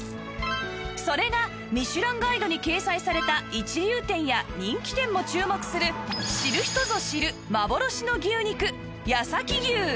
それがミシュランガイドに掲載された一流店や人気店も注目する知る人ぞ知る幻の牛肉